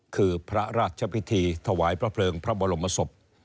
คือพระราชพิธีถวายพระเพลิงพระบรมศพ